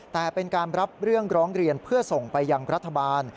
แต่เป็นการรับเรื่องร้องเรียนเพื่อส่งไปยังรัฐบาล